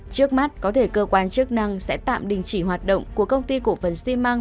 trước mắt có thể cơ quan chức năng sẽ tạm đình chỉ hoạt động của công ty cổ phần xi măng